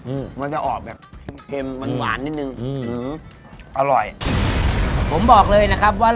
อืมมันจะออกแบบเค็มมันหวานนิดนึงอืมอร่อยผมบอกเลยนะครับว่า